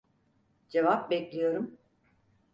Cevap bekliyorum!